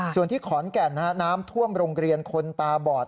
ส่วนที่ขอนแก่นน้ำท่วมโรงเรียนคนตาบอด